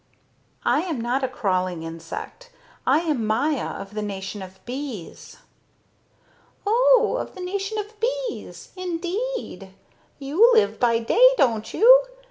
"I am not a crawling insect. I am Maya, of the nation of bees." "Oh, of the nation of bees. Indeed ... you live by day, don't you?